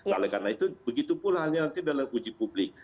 karena itu begitu pula nanti dalam uji publik